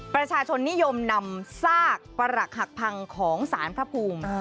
ประชาชนนิยมนำซากประหลักหักพังของสารพระภูมิ